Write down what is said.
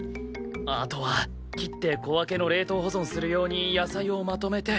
あとは切って小分けの冷凍保存する用に野菜をまとめて。